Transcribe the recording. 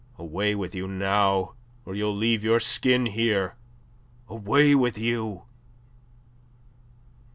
Away with you now, or you'll leave your skin here! Away with you!"